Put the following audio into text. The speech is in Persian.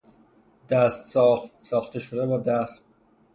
دست ساخت، ساخته شده با دست